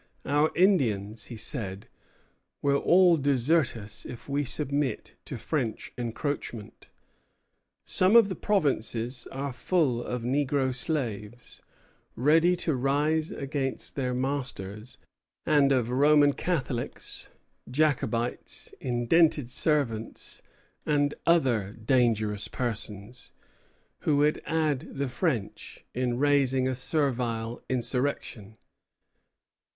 Our Indians, he said, will all desert us if we submit to French encroachment. Some of the provinces are full of negro slaves, ready to rise against their masters, and of Roman Catholics, Jacobites, indented servants, and other dangerous persons, who would aid the French in raising a servile insurrection.